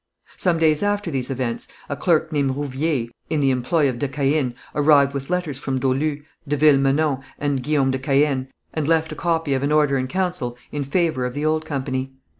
Some days after these events, a clerk named Rouvier, in the employ of de Caën, arrived with letters from Dolu, de Villemenon, and Guillaume de Caën, and left a copy of an order in council in favour of the old company.